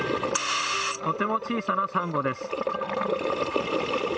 とても小さなサンゴです。